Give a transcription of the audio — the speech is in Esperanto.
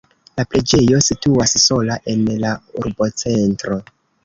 La preĝejo situas sola en la urbocentro.